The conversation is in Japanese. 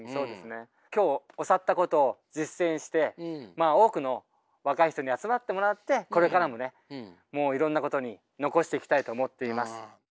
今日教わったことを実践してまあ多くの若い人に集まってもらってこれからもねもういろんなことに残していきたいと思っています。